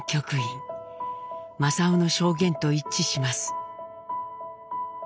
正雄の証言と一致します。